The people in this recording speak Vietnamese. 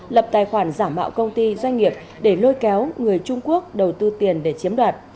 lập tài khoản giả mạo công ty doanh nghiệp để lôi kéo người trung quốc đầu tư tiền để chiếm đoạt